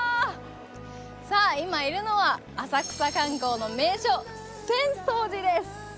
今いるのは浅草観光の名所浅草寺です。